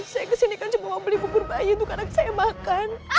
saya kesini kan cuma mau beli bubur bayi itu kadang saya makan